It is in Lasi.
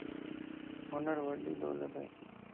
ھنر وڏي دولت ائي.